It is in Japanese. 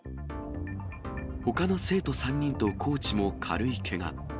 ほかの生徒３人とコーチも軽いけが。